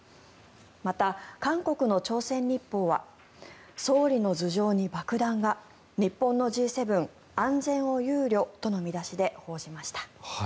また、韓国の朝鮮日報は総理の頭上に爆弾が日本のＧ７安全を憂慮との見出しで報じました。